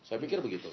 saya pikir begitu